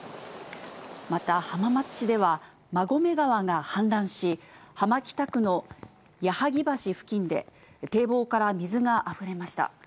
また浜松市では、馬込川が氾濫し、浜北区の矢矧橋付近で、堤防から水があふれました。